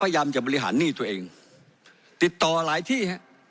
พยายามจะบริหารหนี้ตัวเองติดต่อหลายที่ฮะ